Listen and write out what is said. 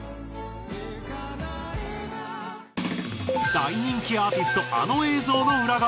大人気アーティストあの映像の裏側。